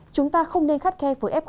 chúng ta không nên khát khe với f